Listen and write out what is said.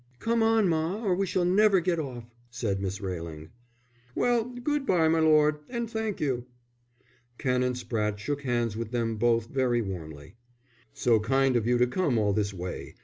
"Come on, ma, or we shall never get off," said Miss Railing. "Well, good bye, my lord. And thank you." Canon Spratte shook hands with them both very warmly. "So kind of you to come all this way.